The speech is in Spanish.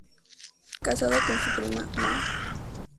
Casado con su prima Ma.